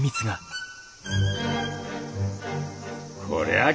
こりゃあ